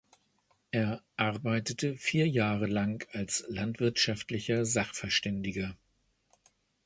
Er arbeitete vier Jahre lang als landwirtschaftlicher Sachverständiger.